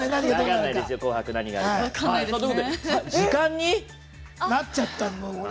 時間になっちゃったんだ。